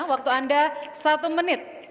waktu anda satu menit